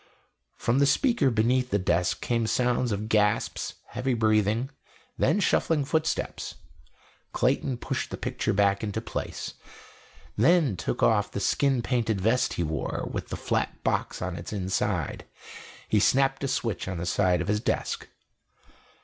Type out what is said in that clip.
"_ From the speaker beneath the desk came sounds of gasps, heavy breathing, then shuffling footsteps. Clayton pushed the picture back into place, then took off the skin painted vest he wore, with the flat box on its inside. He snapped a switch on the side of his desk.